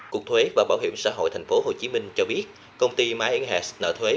cục thuế và bảo hiểm xã hội tp hcm cho biết công ty mienghas nợ thuế